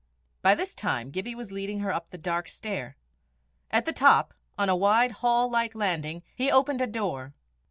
By this time Gibbie was leading her up the dark stair. At the top, on a wide hall like landing, he opened a door.